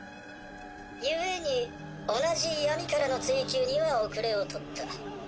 故に同じ闇からの追求には後れを取った。